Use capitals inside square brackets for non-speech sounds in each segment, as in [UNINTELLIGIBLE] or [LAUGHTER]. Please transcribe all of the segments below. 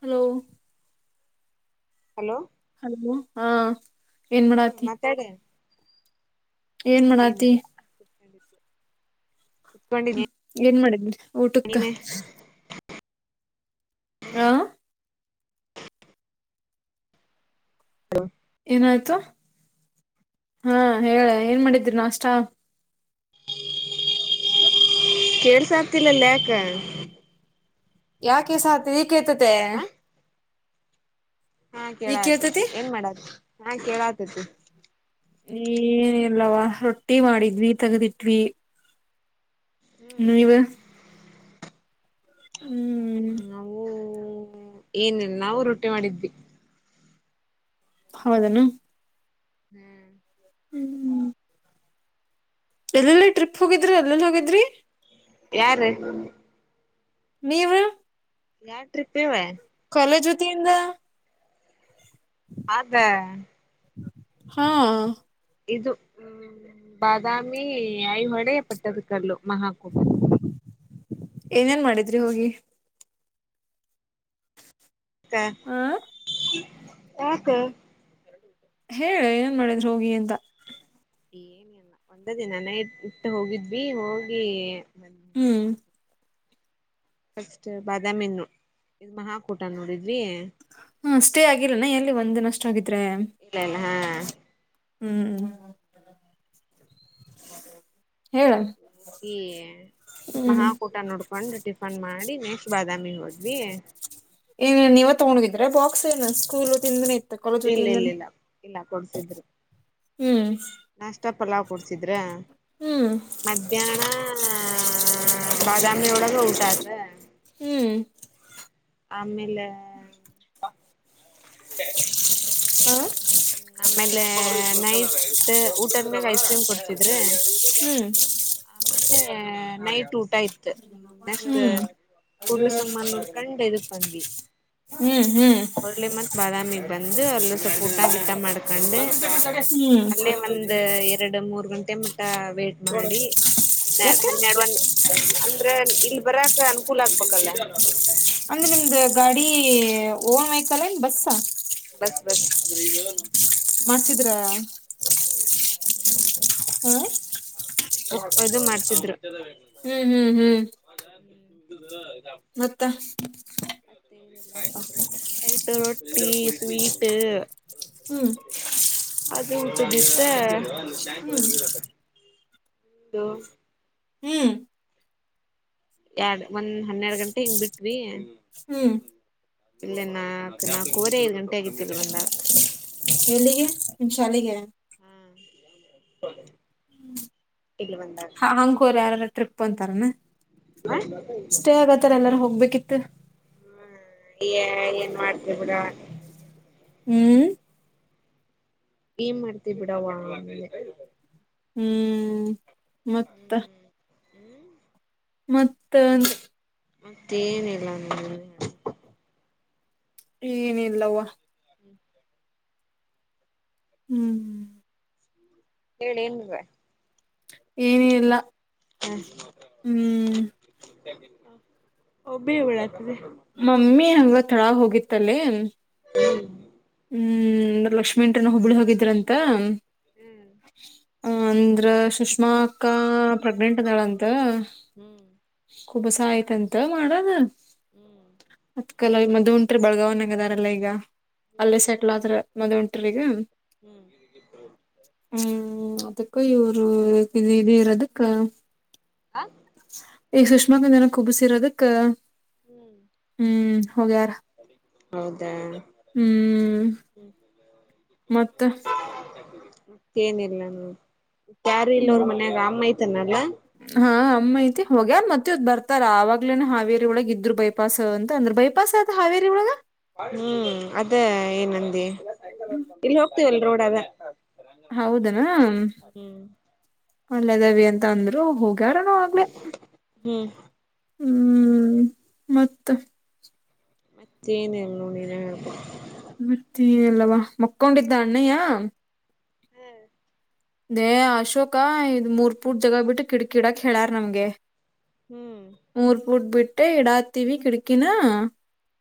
Hello hello hello ಹಾ ಏನ್ ಹ್ಮ್ ಮಾಡಾತಿ ಮಾತಾಡ ಏನ್ ಮಾಡಾತಿ ಏನಿಲ್ಲ [INAUDIBLE] ಹ್ಮ್ ಏನ್ ಮಾಡಿದ್ ಊಟಕ್ಕ ನೀನೆ ಹ [UNINTELLIGIBLE] ಏನಾಯ್ತು ಹಾ ಹೇಳ ಏನ್ ಮಾಡಿದರಿ ನಾಷ್ಟ ಕೇಳ್ಸ ಆಗ್ತಿಲ್ಲಲ್ಲ ಯಾಕ ಯಾಕೆಸ ಆತ ಈ ಕೇತತೆ ಹಾ ಕೇಳ ಆತೇತಿ ಕೇಳ್ತತಿ ಏನ್ ಮಾಡತ್ ಹಾ ಕೇಳ ಆತೇತಿ ಏನ ಇಲ್ಲವಾ ರೊಟ್ಟಿ ಮಾಡಿದ್ವಿ ತಗದಿಟ್ವಿ ನೀವು ನಾವು ಏನ್ ನಾವು ರೊಟ್ಟಿ ಮಾಡಿದ್ವಿ ಹೌದನು ಹ್ಮ್ ಹ್ಮ್್ಮ ಎಲ್ಲೆಲ್ಲಾ ಟ್ರಿಪ್ ಹೋಗಿದ್ರಿ ಅಲ್ಲನ್ ಹೋಗಿದ್ರಿ ಯಾರ ನೀವು ಯಾವ ಟ್ರಿಪ್ ಇವ ಕಾಲೇಜೊತಿಯಿಂದ ಹಾಗದ ಹಾ ಇದು ಹ್ಮ್ ಬಾದಾಮಿ ಐಹೊಳೆ ಪಟ್ಟದಕಲ್ಲು ಮಹಾಕೂಟ ಏನೇನ್ ಮಾಡಿದ್ರಿ ಹೋಗಿ ಹ [UNINTELLIGIBLE] ಹೇಳ ಏನ್ ಮಾಡಿದ್ರರು ಹೋಗಿ ಅಂತ ಏನಲ್ಲ ಒಂದ ದಿನಾನೇ ಇಟ್ಟ ಹೋಗಿದ್ವಿ ಹೋಗಿ ಹ್ಮ್ ಫಸ್ಟ್ ಬಾದಾಮಿ ಇದು ಮಹಾಕೂಟ ನೋಡಿ ಹಾ ಸ್ಟೇ ಆಗಿಲ್ಲನ ಎಲ್ಲಿ ಒಂದ್ನ ಅಷ್ಟ ಆಗತ್ತು ಇಲ್ಲ ಇಲ್ಲ ಹಾ ಹ್ಮ್ ಹೇಳ ಹ್ಮ್ ಮಹಾಕೂಟ ನೋಡ್ಕೊಂಡ್ ಟಿಫನ್ ಮಾಡಿ ಡಿ ನೆಕ್ಸ್ಟ್ ಬಾದಾಮಿ ಹೋದ್ವಿ ಏ ನೀವ ತಗೊಂಡುದಿದ್ರೆ ಬಾಕ್ಸ್ ಏನು ಸ್ಕೂಲ್ ವತಿ ಇಂದಾನೆ ಇ ತಾ ಕಾಲೇಜ್ವತಿ ಇಲ್ಲ ಇಂದ ಇಲ್ಲ ಇಲ್ಲ ಇಲ್ಲ ಕೊಡ್ಸಿದ್ರು ನೇ ಹೂ ನಾಷ್ಟ ಪಲಾವ್ ಕೊಡ್ಸಿದ್ರ ಹ್ಮ್ ಮಧ್ಯಾಹ್ನ ಬಾದಾಮಿವೋಳಗ ಊಟ ಆತ್ ಹ್ಮ್ ಆಮೇಲೆ ಹಾ ಆಮೇಲೆ ನೈಟ್ ಊಟದ್ಮ್ಯಾಗ ಐಸ್ ಕ್ರೀಮ್ ಕೊಡಿಸಿದ್ರಾ ಹ್ಮ್ ನೈಟ್ ಊಟ ಇತ್ತು ನೆಕ್ಸ್ಟ್ ಹ್ಮ್ ಕುೂಡ್ಲು ಸಮ್ಮನ್ ನೋಡ್ಕಂಡ್ ಇದಕ್ ಬಂದ್ವಿ ಹ್ಮ್.. ಹ್ಮ್ ಹೋಳ್ಳಿ ಮತ್ ಬಾದಾಮಿಗೆ ಬಂದು ಅಲ್ಲ ಸ್ವಲ್ಪ ಊಟ ಗಿಟ ಮಾಡ್ಕೊಂಡು ಹ್ಮ್ ಅಲ್ಲೇ ಒಂದ್ ಎರಡು ಮೂರ್ ಗಂಟೆ ಮಟ್ಟ ವೇಟ್ ಮಾಡಿ ಹನ್ನೆರಡು ಯಾಕೆ ಹನ್ನೆರಡು ಒಂದ ಅಂದ್ರ ಇಲ್ ಬರಕ್ ಅನುಕೂಲ ಆಗ್ಬೇಕಲ್ಲ ಅಂದ್ರೆ ನಿಮ್ದ ಗಾಡಿ ಓನ್ ವೆಹ್ಕಲ್ ಏನ್ ಬಸ್ ಬಸ್ ಬಸ್ ಮಾಡ್ಸಿದ್ರ [INAUDIBLE] ಹಾ ಈದು ಮಾಡ್ಸಿದ್ರು ಹ್ಮ್ ಹ್ಮ್ ಹ್ಮ್ [UNINTELLIGIBLE] ಮತ್ತ ಟ ರೊಟ್ಲಿ ಸ್ವೀಟ್ ಹ್ಮ್ ಅದು ಊಟದಿತ್ತ. ಹ್ಮ್ ದ ಹ್ಮ್ ಎರಡ್ ಒಂದ್ ಹನ್ನೆರಡ್ ಗಂಟೆ ಹಿಂಗ್ ಬಿಟ್ವಿ. ಹ್ಮ್ ಇಲ್ಲ ನಾಕ್ ನಾಕೋರಿ ಐದ್ ಗಂಟೆ ಆಗಿತಿಲೀ ಬಂದಾಗ ಎಲ್ಲಿಗೆ ನಿಮ್ ಶಾಲಿಗೆ ಹ್ಮ್ ಹ ಹಂಗೋರ ಯಾರಾರ ಟ್ರಿಪ್ ಅಂತಾರನಾ ಹ ಸ್ಟೇ ಆಗತ್ತಾರ ಎಲ್ಲಾರು ಹೋಗ್ಬೇಕು ಕಿತ್ತು ಹ್ಮ ಏನ್ ಮಾಡ್ತಿ ಬಿಡವಾ ಹ್ಮ್ ಏನ್ ಮಾಡ್ತಿ ಬಿಡವ್ವ ಅಂದೆ ಹ್ಮ್ ಮತ್ತ ಹ್ಮ್ ಮತ್ತ ಮತ್ತೆೇಏನಿಲ್ಲ ನೀನ್ ಹೇಳಬೇಕು ಏನ ಇಲ್ಲವ ಹ್ಮ್ ಹೇಳಿ ಏನ್ರಾ ಏನ ಇಲ್ಲ ಹ್ಮ್ ಒಬೇ ಉಳತಿದೆ ಮಮ್ಮಿ ಹಂಗ ತಳಗ ಹೋಗಿತ್ತಲಿ ಹ್ಮ್ ಹ್ಮ್ ಲಕ್ಷ್ಮೀ ಆಂಟಿ ಹುಬ್ಬಳಿ ಹೋಗಿದ್ರಂತ ಹ್ಮ್ ಆ ಅಂದ್ರ ಸುಷ್ಮಾ ಅಕ್ಕ ಪ್ರೆಗ್ನೆಂಟ್ ಅಂದಾಳ ಅಂತ ಹ್ಮ್ ಕುಬ್ಬಸ ಆಯ್ತಂತ ಮಾಡದ ಹ್ಮ್ ಹ್ಮ್ ಅದಕ ಮದ್ ಅಂತ್ರಿ ಬೆಳಗಾವನ್ಗ ಇದ್ದರಲ್ಲಾ ಈಗ ಹ್ಮ್ ಅಲ್ಲೇ ಸೆಟ್ಲ್ ಆದ್ರ ಮದ್ [UNINTELLIGIBLE] ಹ್ಮ್ ಹ್ಮ ಅದಕ್ಕ ಇವರು ಇದ ಇರೋದಕ್ಕ ಹ್ಮ್ ಈಗ ಸುಷ್ಮಾಕಂದನ ಕುಬಸರದಕ್ಕ ಹ್ಮ ಹೌದಾ ಹ್ಮ್ ಮತ್ತೆ ಮತ್ತೇನಿಲ್ಲ ನಾ ಯಾರು ಇಲ್ಲ ಅವ್ರ ಮನ್ಯಾಗ ಅಮ್ಮಯ್ತಾನಲ್ಲಾ. ಹಾ ಅಮ್ಮ ಐತಿ ಹೊೋಗ್ಯ ಮತ್ತೆ್ ಬರ್ತಾರ ಆವಾಗ್ಲೇನೆ ಹಾವೇರಿ ಒಳಗ ಇದ್ರು ಬೈಪಾಸ್ ಅಂತ ಅಂದ್ರ ಬೈಪಾಸ ಆ ಹಾವೇರಿ ಒಳಗ ಹ್ಮ್ ಅದ ಏನಂದಿ ಇಲ್ಲಿ ಹೋಗ್ತೀವಲ್ ರೋಡ್ ಅದ ಹೌದನಾ ಹ್ಮ್ ಅಲ್ಲದವಿ ಅಂತ ಅಂದ್ರು ಹೋಗ ಗಾರನೂ ಆಗ್ಲೆ ಹ್ಮ್ ಹ್ಮ್ ಮತ್ತ ಮತ್ತೇನಿಲ್ಲ ನೋಡು ನೀನೇ ಹೇಳಬೇಕು ಮತ್ತೆ ಅಲ್ಲವಾ ಮಕ್ಕೊಂಡಿದ್ದ ಅಣ್ಣಯ್ಯ. ನೇ ಅಶೋಕ ಇದ್ ಮೂರ್ ಪೂರ್ ಜಗ ಬಿಟ್ಟು ಕಿಡಕಿಡಕ್ ಹೇಳ್ಯಾರ ನಮ್ಗೆ ಹ್ಮ್ ಮೂರ್ ಪೂಟ್ ಬಿಟ್ಟ ಇಡಾ ತೀವಿ ಕಡಕಿನ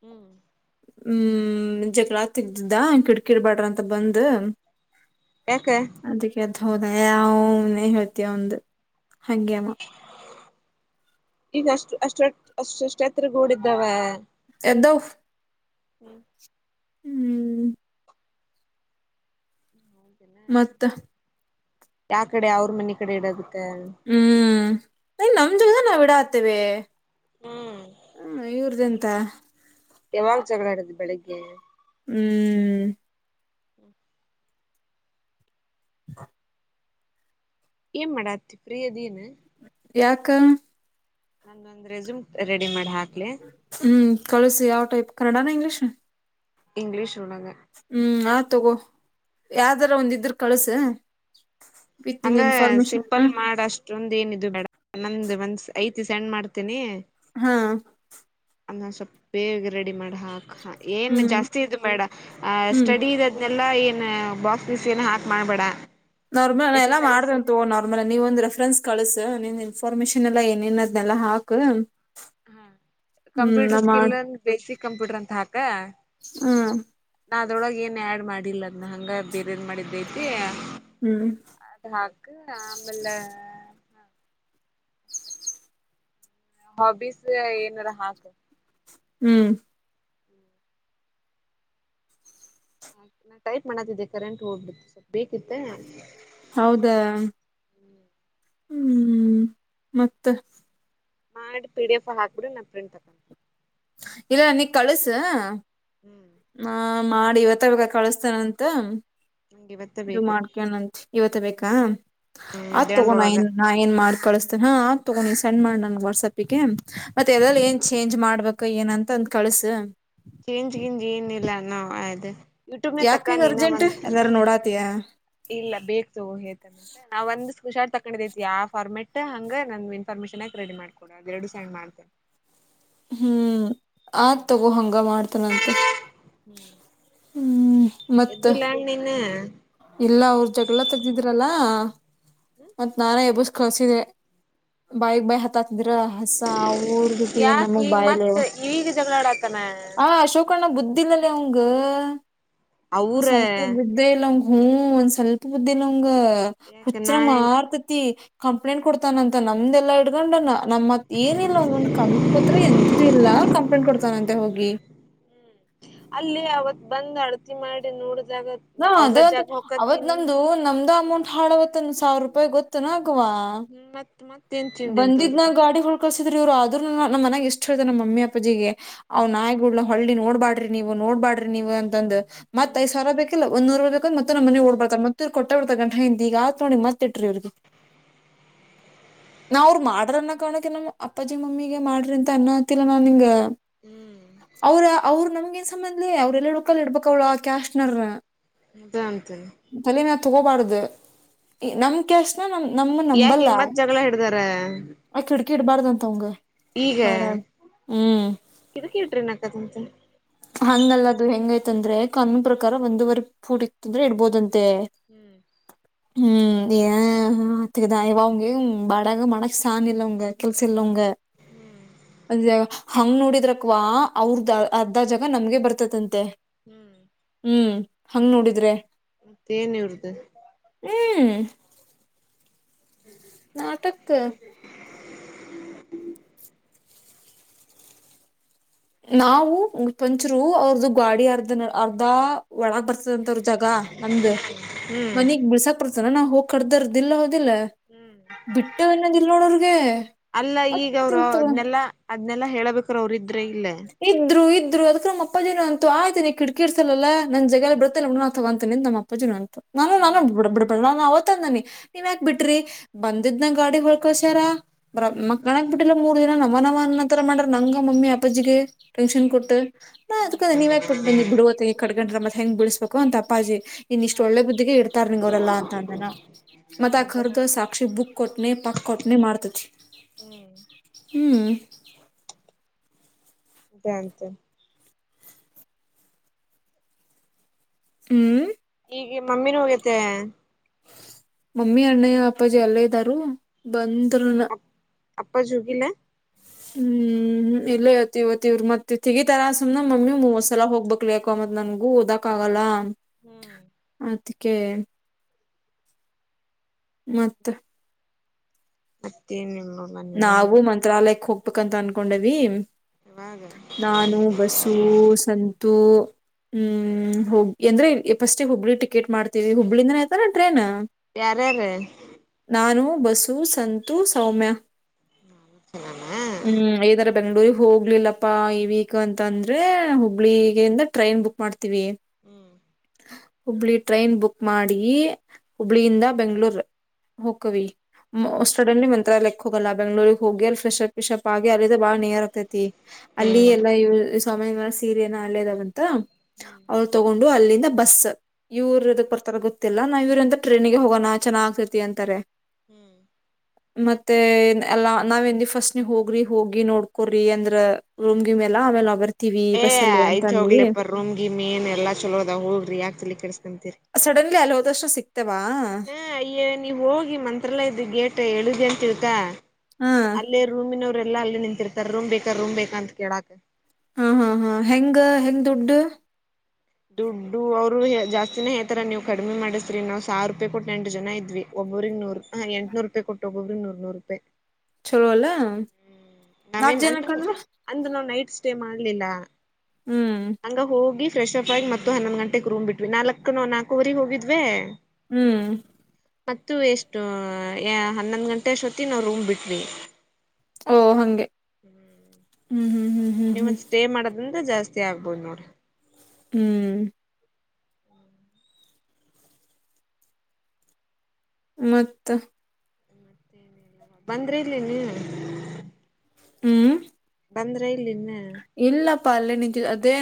ಹ್ಮ್ ಹ್ಮ್ ಜಗ್ಲಾ ತೆಗ್ದಿದ್ದ ಕಿಡ್ಕಿಡ್ಬಾಡ್ರ ಅಂತ ಬಂದ ಯಾಕ ಅ ಹೋದ ಅವನೇ ಹೇಳ್ತಯ ಒಂದು ಹಾಗೆಮ್ಮ. ಈಗ ಅಷ್ಟು ಅಷ್ಟ ಅಷ್ಟಷ್ಟ ಎತ್ರಡಿದ್ದಾವ [UNINTELLIGIBLE] ಹ್ಮ್ ಹ್ಮ್ ಮತ್ತ ಯಾವ ಕಡೆ ಅವ್ರ ಮನೆ ಕಡೆ ಇಡೋದ. ಹ್ಮ್ ಅಯ್ ನಮ್ ಜಗದ ನಾವ್ ಇಡಕ್ ಆತೇವೆ ಹ್ಮ್ ಹ್ಮ ಇವ್ರ್ದಂತ ಯಾವಾಗ್ ಜಗಳ ಆಡಿದ್ವಿ ಬೆಳಿಗ್ಗೆ ಹ್ಮ್ ಹ್ಮ್ [UNINTELLIGIBLE] ಹಾ [UNINTELLIGIBLE] ಏನ್ ಮಾಡಾತಿ ಫ್ರೀ ಇದೀನ್ ಯಕಾ ನ ಒಂದ ರೆಝುಮ್ ರೆಡಿ ಮಾಡಿ ಹಾಕ ಹ್ಮ್ ಕಳಸಿ ಯಾವ ಟೈಪ್ ಕನ್ನಡಾನ ಇಂಗ್ಲೀಷ್ ಇಂಗ್ಲಿೀಷ್ ಹ್ಮ್ ಆ ತಗೋ ಯಾವ್ದಾರ ಒಂದಿದ್ರ ಕಳಸ ಹಂಗ ಸಿಂಪಲ್ ಮಾಡ ಅಷ್ಟೊಂದ ಏನಿದೆ ಇಡ ನೊ ಒಂದ ಐತಿ ಸೆಂಡ್ ಮಾಡ್ತೇನಿ ಹಾ ಅನ್ನ ಸ್ೊಪ್ಪೇ ರೆಡಿ ಮಾಡ ಹಾಕ್ ಏನ್ ಹ್ಮ್ ಜಾಸ್ತಿ ಇದು ಮೇಡ ಹ್ಮ್ ಸ್ಟಡಿ ಇದ್ ಎಲ್ಲಾ ಏನ್ ಬಾಕ್ಸ್ಸ ಏನ ಹಾಕ್ ಮಾಡ್ಬೇಡ ನಾರ್ಮಲ್ ನ ಎಸ್ ಎಲ್ಲಾ ಎಸ್ ಎಲ್ ಮಾಡ್ರ ಸಿ ನಾರ್ಮಲ್ ನೀವ ಒಂದಂದು ರೆಫ್ರನ್ಸ್ ಕಳಸ ಇನ್ಫಾರ್ಮೇಶನ್ ಎಲ್ಲಾ ಏನೇನದ್ನೆಲ್ಲ ಹಾಕ್ ಹಾ ಹ್ಮ್ ನಾ ಕಂಪ್ಯೂಟರ್ ಸ್ಕಿಲ್ಂದ ಬೇಸಿಕ್ ಕಂಪ್ಯೂಟರ್ ಅಂತ ಹಾಕ ಹ್ಮ ನಾ ಅದೊಳಗೆ ಏನ್ ಆಡ್ ಮಾಡಿಲ್ಲ ಅದನ್ನ ಹಂಗ ಬೇರೆ ಏನ್ ಮಾಡಿದ್ದೈತಿ ಹ್ಮ್ [UNINTELLIGIBLE] ಹಾಬೀಸ್ ಏನಾರ ಹಾಕ್ ಹ್ಮ್ ನಾ ಟೈಪ್ ಮಾಡತಿದ್ದೆ ಕರೆಂಟ್ ಹೋಗ್ಬಿಟ್ಟು ಸ್ವಲ್ಪ ಬೇಕಿತ್ತ ಹೌದಾ [INAUDIBLE] ಹ್ಮ್ ಮತ್ತೆ ಮಾಡಿ ಪಿ ಡಿ ಎಫ್ ಹಾಕ್ಬಿಡಿ ನಾ ಪ್ರಿಂಟ್ ತಕೊಂತೀನಿ ಇಲ್ಲ ನೀ ಕಳಸು ಹ್ಮ್ ಹಾ ಮಾಡಿ ಇವತ್ತ ಬ ಕಳಸ್ತೇನಂತ ನಂಗೆ ಇವತ್ತೇ ಇದು ಬೇಕು ಮಾಡ್ಕೋಣಂತೆ ಇವತ್ತ ಬೇಕಾ ಹ್ಮ್ ಆತ್ ತೊಗೋಣ ಮಧ್ಯಾಹ್ನದೊಳಗ ಏನ್ ನಾ ಏನ್ ಮಾಡ್ ಕಳಿಸ್ತೇನೆ ಹಾ ಆತ್ ತೊಗೊಂಡ ನೀನ್ ಸೆಂಡ್ ಮಾಡಣ ವಾಟ್ಸಪಿಗೆ ಮತ್ತೆ ಹ್ಮ್ ಎಲ್ಲಲ್ಲಿ ಏನ್ ಚೇಂಜ್ ಮಾಡ್ಬೇಕು ಏನಂತ ಒಂದ ಕಳ್ಸು ಕಿಂಜಿ ಕಿಂಜಿ ಏನ್ ಇಲ್ಲಣ ಇದು ಯೂಟ್ಯೂಬ್ನ ಯಾಕ ಈಗ ತಕ್ಕೊಂಡ ನ ಅರ್ಜೆಂಟ್ ಒಂದ ಎಲ್ಲಾರು ನೋಡಾತಿಯ ಇಲ್ಲ ಬೇಕ ತಗೋ ಹೇಳ್ತಾನ ನಾವ್ ಒಂದ್ುಷಾರ ತಕೊಂಡಿದೈತಿ ಆ ಾರ್ಮೆಟ್ ಹಂಗ ನಂದ್ ಇನ್ಫಾರ್ಮೇಶನ್ಕ್ ರೆಡಿ ಮಾಡ್ಕೊಡ ಅದ ಎರಡು ಸೈಂಡ್ ಮಾಡ್ [INAUDIBLE] ಹ್ಮ್ ಆ ತಗೋ ಹಂಗ ಮಾಡ್ತನಂತ ಹ್ಮ್ ಮತ್ತ ಎ್ದಲ್ಲಾ ನಿನ್ನ ಇಲ್ಲ ಅವ್ರ ಜಗಳ ತೆಗ್ದಿದಿ್ರಲ್ಲ ಮತ್ ನಾನಾ ಎಬಸ್ ಕಳ್ಸಿದೆ ಬಾಯಗ್ ಬಾಯಿ ಹತ್ತ ಹತಿದ ಹಸ ಊರ್ ಜೊತೆ ಯಾಕ ನಮಗ್ ಈಗ ಬಾಯಲ್ ಮತ್ ಈಗ ಜಗಳಾಡತಾನ ಆ ಅಶೋಕಣ್ಣ ಬುದ್ಧಿಲ್ಲಲ್ಲಿ ಅವಂಗ ಒಂದ್ ಅವ್ರ ಸ್ವಲ್ಪ ಬುದ್ಧ ಇಲ್ಲ ಅವ ಹ್ಮ ಒಂದ್ ಸ್ವಲ್ಪ ಭೂದ್ದಿಲ್ಂಗ ಯಾಕ ಹುಚ್ಚ್ರ ನಾ ಮಾರ್ತತಿ ಕಂಪ್ಲೇಂಟ್ ಕೊಡ್ತಾನ ಅಂತ ನಮ್ದೆಲ್ಲ ಇ ತಗೊಂಡ ನಮ್ಮ್ತ್ ಏನಿಲ್ಲ ಒಂದೊಂದು ಕಾಗದ ಪತ್ರ ಎಂತ್ದ ಇಲ್ಲ ಕಂಪ್ಲೇಂಟ್ ಕೊಡ್ತಾನಂತೆ ಹೋಗಿ ಅಲ್ಲೇ ಅವತ್ ಬಂದ್ ಅಳತಿ ಮಾಡಿ ನೋಡ ಹಾ ಅದಂತ ಅವತ್ ನಮ್ದು ನಮ್ದು ಅಮೌಂಟ್ ಹಾಳವತ್ಂದು ಸಾವಿರ ರೂಪಾಯಿ ಗೊತ್ತುನಾ [INAUDIBLE] ಕ್ವ ಹ್ಮ್ ಮತ್ ಮತ್ತೇನ್ ತಿಂಡಿ ಅಂತ ಬಂದಿದ್ ನ ಅವ್ರದು ಗಾಡಿ ರೋಕಷಿ ಇವರು ಆದ್ರ ನ್ ಮನಾಗ ಇಷ್ಟುೇತಾರೆ ನಮ್ಮಿ ಅಪ್ಪ ಜಿಗೆ ಅವ್ ನಾಯ್ಿುಡ್ ಹಳ್ಳಿ ನೋಡ್ಬಾಡ್ರಿ ನೀವು ನೋಡ್ಬಾಡ್ರಿ ನೀವು ಅಂತಂದ್ ಮತ್ ಹ್ಮ್ ಐ್ ಸಾವಿರ ಬೇಕ ಇಲ್ಲ ಒಂದೂವರೆಗ ಮತ್ತ ನಮ್ಮ ಮನೆ ಓಡ್ರ್ತ ಮತ್ತ ಇ್ ಕೊಟ್ಟ ಬರ್ತ ಗಂಟ ಹಿಂದ ಈಗತ ನೋಡಿ ಮತ್ತೆ ಇ್ರ ಇವ್ರಿಗೆ [INAUDIBLE] ನಾವ ಅವರು ಮಾಡ್ರನ್ನ ಕಾಣಕ ನಮಮ್ಮ್ ಅಪ್ಪಾಜಿ ಮಮ್ಮಿಗೆ ಮಾಡ್ರಿ ಅಂತ ಅನ್ನ ಆತಿಲ್ಲ ನಾನ್ಿಂಗ ಹ್ಮ್ ಅವ್ರ ಅವ್ರು ನಮ್ಗೆ ನ್ ಸಮಬ ಅವ್ರ ಎಲ್ಲ ಹಡುಕಲ್ಲ ಇಡ್ಬೇಕ ಅವ್ಳ ಕ್ಯಾಶ್ನರ್ ದ ಅಂತನೆ ತಗೋಬಾರ್ದ ನಮ್ ಕೆಸ ನಮ ನಮ್ಮ ಯಾಕ ನಂಬಲ್ಲ ಈಗ ಮತ್ ಜಗಳ ಹಿಡ್ದಾರ ಆ ಕಿಡ್ಕಿ ಇಡ್ಬಾರ್ದಂತ ಅವಂಗ ಈಗ ಬಾಡ ಹ್ಮ್ [INAUDIBLE] ಇದಕ್ಕೆಟ್ರಿ ನಕ್ಕದಂತ ಹಂಗಲ್ಲ ಅದು ಹ ಹೆಂಗಯತ್ಂದ್ರೆ ಕಮ್ಮಿ ಪ್ರಕಾರ ಒಂದುವರಿ ಫೂಟ್ ಇತ್ತಂದ್ರೆ ಇಡ್ಬೋದಂತ ಹ್ಮ್ ಹ್ಮ್ ಅದುದಾ ಯ ಅವಂಗ ಬಾಡಗ ಮಣಕ ಸಾಾಣಿ ಇಲ್ಲವಂಗ ಕೆಲ್ಸ ಇಲ್ಲವಗೆ ಹ್ಮ್ ಅದ ಹಂಗ ನೋಡಿದ್ರಕ್ವಾ ಅವ್ರ್ದ ಅ ಅ ಜಾಗ ನಮ್ಗೆ ಬರ್ತದಂತೆ [INAUDIBLE] ಹಂಗ್ ನೋಡಿದ್ರೆ ದೆನ್ ಇವ್ರದ ಹ್ಮ್ [INAUDIBLE] ನಾಟಕ್ ನಾವು ಪಂಚರು ಅವ್ರ್ದ ಗಾಡಿ ಅರ್ಧ ಅರ್ಧ ಒಳಗ ಬರ್ತವಿ [UNINTELLIGIBLE] ಜಾಗ ನಮ್ದ್ ಹ್ಮ್ ಮನಿಗ್ ಬಿಳ್ಸಾಕ್ ಬರ್ತಾನ ನಾ ಹೋಗ್ ಕಡಿದರ್ದಿಲ್ಲ. [UNINTELLIGIBLE] ಹ್ಮ್ ಬಿಟ್ಟ ಇನ್ನದ ಇಲ್ ನೋಡೋರಗೆ ಮತ್ತಲ್ತವೆ. ಅದನೆಲ್ಲ ಹೇಳಳ್ಬೇಕು ಅವ್ರಗ್ ಇದ್ರು ಇದ [UNINTELLIGIBLE] ಅದಕ ನಮ್ಮ ಅಪ್ಪಜೀನು ಅಂತು ಆಯ್ತು ನೀ ಕಿಟಕಿ ಇಡ್ಸಲ್ಲಲ ನನ್ ಜಗ [UNINTELLIGIBLE] ತಗೊಂತೀ ನಿ ನಮ್ಮ ಅಪ್ಪಜೀನು ಅಂತು. ನಾನು ನಾನು ಹ್ಮ್ ಬಿ ಬಿಡಪಡ ನಾನು ಅವತ್ [UNINTELLIGIBLE] ನನಿ ನೀವ್ ಯಾಕ್ ಬಿಟ್ರಿ ಬಂದಿದ್ನ ಗಾಡಿ ಹೊಳ್ಕಾಸ್ಯಾರ. [UNINTELLIGIBLE] ಬರ ಹ್ಮ್ ಮಕಣಕ್ ಬಿಟ್ಟಿಲ್ಲ ಮೂರ್ ದಿನ ನವನವ ಅನ್ನ ತರ ಮಾಡ್ರ ನಂಗ ಮಮ್ಮಿ ಅಪ್ಪಾಜಿಗೆ. ಟೆನ್ಷನ್ ಹ್ಮ್ ಕೊಟ್ಟು ನಾ ಅದಕ ಹ್ಮ್ ಅ ನೀವ ಯಾಕಕ್ ಬಿಟ್ಟು ಬಂದಿ ಬಿಡ ಈ ಕಡ್ ಗಂಟರ ಮತ್ ಹೆಂಗ್ ಬಿಡಿಸಸ್ಬೇಕು ಅಂತ ಅಪ್ಪಾಜಿ. ನಿನ್ ಇಷ್ಟ ಹಾ ಒಳ್ಳೆ ಬುದ್ಧಿಗೆ ಇಡ್ತಾರ್ ನಿಂಗ ಅವರೆಲ್ಲಾ ಅಂತ ಅಂದನ ಮತ್ ಆ ಹೌದ ಕರ್ದು ಸಾಕ್ಷಿ ಬುಕ್ ಕೊಟ್ಟನೆ. ತಕ್ಕೊಟ್ನಿ ಮಾಡ್ತಿತಿ ಹ್ಮ್ ಹ್ಮ್. [UNINTELLIGIBLE] ಹ್ಮ್ ಈಗೆ ಮಮ್ಮಿನೂ ಹೋಗ್ಯತೆ. ಮಮ್ಮಿ ಅಣ್ಣಯ್ಯ ಅಪ್ಪಾಜಿ ಎಲ್ಲ ಇದ್ದರೂ ಬಂದ್ರುನಾ. ಅಪ್ಪ ಹೊಗಿಲ್ಲ. ಹ್ಮ್ ಹ್ಮ್ ಇಲ್ಲ ಇವತ್ತು ಇವತ್ತು ಇವ್ರ ಮತ್ ತೆಗಿತಾರ ಸುಮ್ನೆ ನ ಮಮ್ಮಿ ಮೂವತ್ ಸಲ ಹೋಗ್ಬೇಕಕ್ಕ ಅ ಮತ್ ನನ್ಗ ಓದಕ್ ಆ ಅಲ ಹ್ಮ್ ಅದಕ್ಕೆ ಮತ್ತೆ ಮತ್ತೇ ನಿಮ್. ನಾವು ಮಂತ್ರಾಲಯಕ್ ಹೋಗ್ಬೇಕಂತ ಅನ್ಕೊಂಡಿವಿ. ಇವಾಗ ನಾನು ಬಸು ಸಂತೂ ಹ್ಮ್ ಹೋಗ ಎಂದ್ರೆ ಫಸ್ಟ್ ಹುಬ್ಳಿ ಟಿಕೆಟ್ ಮಾಡ್ತೀವಿ ಹುಬ್ಳಿ ಇಂದಾನೆ ತಾನೆ ಟ್ರೈನು. ಯಾರ್ಯಾರ ನಾನು ಬಸು ಸಂತು ಸೌಮ್ಯ ಹ್ಮ್ ಹ್ಮ ಐದ್ ಬೆಂಗಳೂರಿಗೆ ಹೋಗ್ಲಿಲ್ಲಪ್ಪಾ ಈ ವೀಕ್ ಅಂತ ಅಂದ್ರೆ ಹುಬ್ಬಳ್ಳಿಗಿಂದ ಟ್ರೈನ್ ಬುಕ್ ಮಾಡ್ತೀವಿ. ಹ್ಮ್ ಹುಬ್ಳಿ ಟ್ರೈನ್ ಬುಕ್ ಮಾಡಿ ಹುಬ್ಳಿಯಿಂದ ಬೆಂಗಳೂರ್ ಹೊಕಿವಿ. ಹ್ಮ್ ಮೋಸ್ಟಡಲ್ಲಿ ಮಂತ್ರಾಲಯಕ್ಕೆ ಹೋಗಲ್ಲ ಬೆಂಗ್ಗಳೂರಿಗೆ ಹೋಗಿ ಅ ಫ್ರೆಶ್ ಅಪ್ ಬಿಷಪ್ ಆಗಿ ಅಲ್ಲಿ. [UNINTELLIGIBLE] ಬಾಳ ನಿಯರ್ ಆಗ್ತೈತಿ ಅಲ್ಲಿ ಹ್ಮ್ ಎಲ್ಲ ಸೌಮ್ಯಾನ್ ಸೀರೆ ಏನ ಅಲ್ಲೇದಾವ ಅಂತ. ಹ್ಮ್ ಅವ್ಳ ತಗೊಂಡು ಅಲ್ಲಿಂದ ಬಸ್ ಇವರು ಇದುಕ್ ಬರ್ತಾರ ಗೊತ್ತ. [UNINTELLIGIBLE] ನಾವು ಇವ್ರಂದ ಟ್ರೈನಿಗೆ ಹೋಗೋಣ ಚೆನ್ನಾಗ್ತೈತಿ ಅಂತಾರೆ. ಹ್ಮ್ ಮತ್ತೆ ಎಲ್ಲಾ ನಾವ್ ಎಂದ ಫಸ್ಟ್ ಹೋಗ್ರಿ ಹೋಗಿ ನೋಡ್ಕೊರಿ ಅಂದ್ರ ರೂಮ್ ಗೀಮ್ ಆಮೇಲೆ ನಾವು ಬರ್ತೀ ಏ ಆಯ್ತ್ ಹೋಗ್ಲಿಪ್ಪ ರೂಮ್ ಗೀಮ್ ಏನ್ ಎಲ್ಲಾ ಚಲೋದ ಹೋಗ್ರಿ ಯಾಕ್ ತಲಿ ಕೆಡಿಸಸ್ಕಂತಿರಿ. ಸಡನ್ಲಿ ಅಲೋದಷ್ಟು ಸಿಕ್ ಹಾ ಅಯ್ಯ ನೀವ್ ಹೋಗಿ ಮಂತ್ರಾಲಯದ್ ಗೇಟ್ ಹೇಳದೆ ಅಂತ ತಿಳ್ಕಾ. ಹಾ ಅಲ್ಲೇ ರೂಮಿನವ್ರರೆಲ್ಲ ಅಲ್ಲೇ ನಿಂತಿರ್ತಾರೆ ರೂಮ್ ಬೇಕ ರೂಮ್ ಬೇಕಾ ಅಂತ ಕೇಳಾಕ್. ಹಾ ಹಾ ಹಾ ಹೆಂಗ ಹೆಂಗ್ ದುಡ್ಡು. ದುಡ್ಡು ಅವ್ರು ಜಾಸ್ತಿನೆ ಹೇಳ್ತರ ನೀವ್ ಕಡಿಮೆ ಮಾಡಿಸ್ರಿ ನಾವ್ ಸಾವಿರ ರೂಪಾಯಿ ಕೊಟ್ಟ ಎಂಟು ಜನ ಇದ್ವಿ. ಒಬ್ರಿಗ್ ನೂರ್ ಹಾ ಎಂಟ್ನೂರ್ ರೂಪಾಯ ಕೊಟ್ಟು ಒಬ್ಬೊಬ್ಬರಿಗೆ ನೂರ್ ನೂರ್ ರೂಪಾಯಿ. ಚಲೋ ಅಲ್ಲ ಹ್ಮ ನಾಕ್ ನಾವೇನ್ ಅಂದ ಜನಕ್ಕ ಅಂದ್ರ ಅಂದ ನಾವು ನೈಟ್ [UNINTELLIGIBLE] ಷ್ಟ ಮಾಡಲಿಲ್ಲ ಹ್ಮ್ ಹಂಗ ಹೋಗಿ ಫ್ರೆಶ್ ಅಪ್. [UNINTELLIGIBLE] ಮತ್ತ ಹನ್ನೊಂದ್ ಗಂಟೆಗೆ ರೂಮ್ ಬಿಟ್ವಿ ನಾಲ್ಕು ನಾಕವರೆಗ ಹೋಗಿದ್ವಿ. ಹ್ಮ್ ಮತ್ತ ಎಷ್ಟು ಹನ್ನೊಂದ್ ಗಂಟೆ ಅಷ್ಟೊತ್ತಗೆ ನಾವ್ ರೂಮ್ ಬಿಟ್ವಿ. ಓ ಹಂಗೆ. ಹ್ಮ್. ಹ್ಮ್ ಹ್ಮ್ ಹ್ಮ್ ಹ್ಮ್ ಹ್ಮ್. ನಿಂದ ಜಾಸ್ತಿ ಆಗ್ಬೋದು ನೋಡ್. ಹ್ಮ್. ಮತ್ತೆ. ಬಂದ್ರೆ ಇಲ್ಲಿ ಇನ್ನ. ಹೂಂ. ಬಂದ್ರೆ ಇಲ್ಲ ಇನ್ನ. ಅಪ್ಪ ಅಲ್ಲೇ ನಿಂತಿದ್ದ ಅದೇನು.